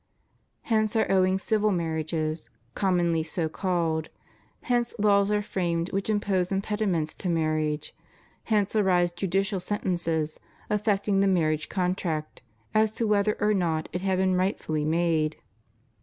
Hence are owing civil marriages, commonly so called; hence laws are framed which impose impediments to mar riage; hence arise judicial sentences affecting the marriage contract, as to whether or not it have been rightly made.